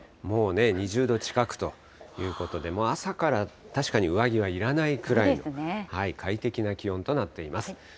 もうね、２０度近くということで、もう朝から、確かに上着はいらないくらい、快適な気温となっています。